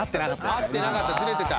合ってなかったずれてた。